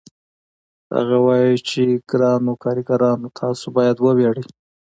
هغه وايي چې ګرانو کارګرانو تاسو باید وویاړئ